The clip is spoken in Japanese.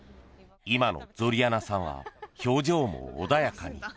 今のゾリャナさんは表情も穏やかに。